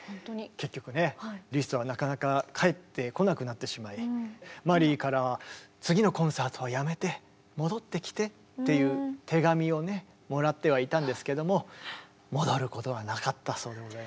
結局ねリストはなかなか帰ってこなくなってしまいマリーからは「次のコンサートはやめて戻ってきて」っていう手紙をねもらってはいたんですけども戻ることはなかったそうでございますね。